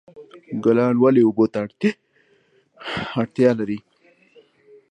ګلان ولې اوبو ته اړتیا لري؟